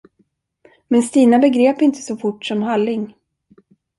Men Stina begrep inte så fort som Halling.